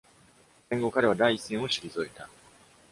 戦後、彼は第一線を退いた。